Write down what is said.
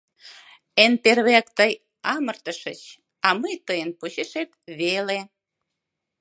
Эн первыяк тый амыртышыч, а мый — тыйын почешет веле.